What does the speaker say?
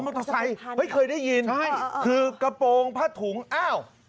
อ๋อมอเตอร์ไซต์เคยได้ยินคือกระโปรงผ้าถุงอ้าว